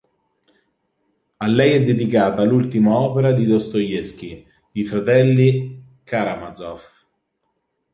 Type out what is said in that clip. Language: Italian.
A lei è dedicata l'ultima opera di Dostoevskij, "I fratelli Karamazov".